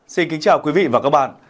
xin kính chào quý vị và các bạn